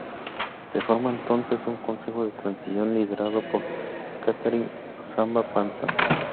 Se forma entonces un consejo de Transición liderado por Catherine Samba-Panza.